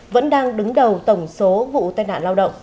vẫn đang đứng đầu tổng số vụ tai nạn lao động